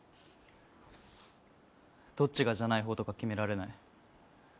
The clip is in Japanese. どっちがじゃない方とか決められない。